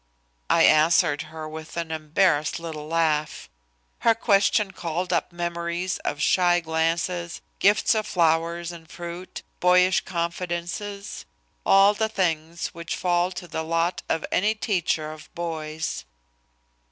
I answered her with an embarrassed little laugh. Her question called up memories of shy glances, gifts of flowers and fruit, boyish confidences all the things which fall to the lot of any teacher of boys.